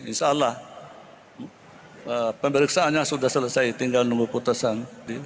insya allah pemeriksaannya sudah selesai tinggal nunggu putusan